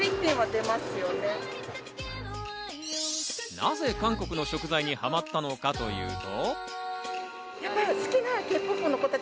なぜ韓国の食材にハマったのかというと。